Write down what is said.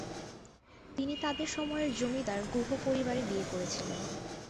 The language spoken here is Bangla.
তিনি তাদের সময়ের জমিদার গুহ পরিবারে বিয়ে করেছিলেন।